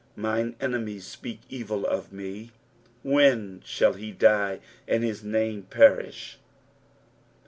5 Mine enemies speak evil of me, When shall he die, and his name perish